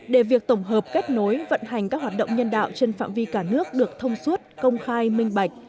để việc tổng hợp kết nối vận hành các hoạt động nhân đạo trên phạm vi cả nước được thông suốt công khai minh bạch